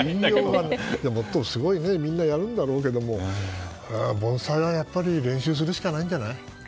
すごいねみんなやるんだろうけど凡才はやっぱり練習するしかないんじゃない？